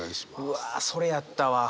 うわそれやったわ。